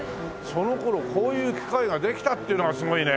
その頃こういう機械ができたっていうのがすごいね。